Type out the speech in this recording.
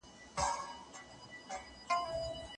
د حضرت علي رضي الله عنه څخه هم دغه قول منقول ګڼي.